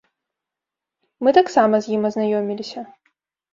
Мы таксама з ім азнаёміліся.